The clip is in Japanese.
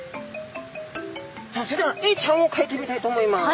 さあそれではエイちゃんをかいてみたいと思います。